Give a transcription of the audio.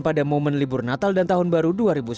pada momen libur natal dan tahun baru dua ribu sembilan belas